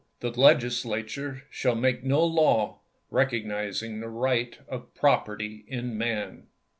The Legislature shall make no law recog nizing the right of property in man.